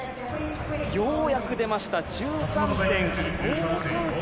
ようやく出ました。１３．５３３